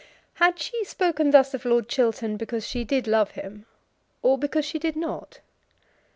Had she spoken thus of Lord Chiltern because she did love him or because she did not?